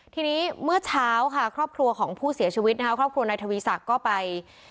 ทีนี้เมื่อเช้าค่ะครอบครัวของผู้เสียชีวิตนะคะครอบครัวนายทวีศักดิ์ก็ไป